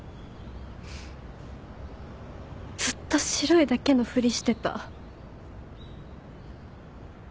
ずっと白いだけのふりしてた。